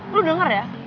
lo denger ya